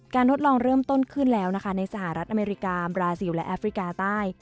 ทดลองเริ่มต้นขึ้นแล้วนะคะในสหรัฐอเมริกาบราซิลและแอฟริกาใต้